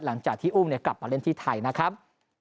หลังจากที่อุ้มกลับมาเล่นที่ไทยนะครับ